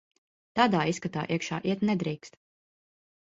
Tādā izskatā iekšā iet nedrīkst.